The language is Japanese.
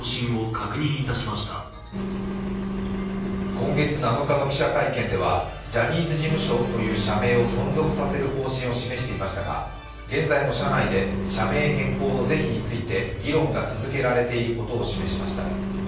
今月７日の記者会見ではジャニーズ事務所という社名を存続させる方針を示していましたが現在も社内で社名変更の是非について議論が続けられていることを示しました。